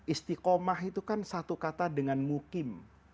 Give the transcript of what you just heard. istiqomah itu kan satu kata dengan mukim